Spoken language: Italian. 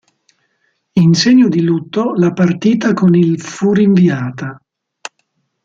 In segno di lutto, la partita con il fu rinviata.